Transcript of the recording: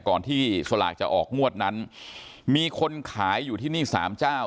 ก่อนที่สลากจะออกงวดนั้นมีคนขายอยู่ที่นี่สามเจ้า